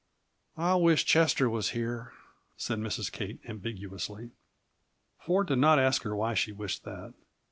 "I wish Chester was here," said Mrs. Kate ambiguously. Ford did not ask her why she wished that.